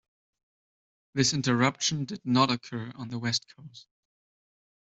This interruption did not occur on the West Coast.